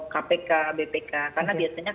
kpk bpk karena biasanya